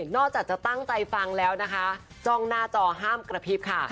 นอกจากจะตั้งใจฟังแล้วนะคะจ้องหน้าจอห้ามกระพริบค่ะ